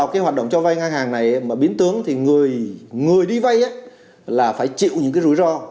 cái hoạt động cho vay ngang hàng này mà biến tướng thì người đi vay là phải chịu những cái rủi ro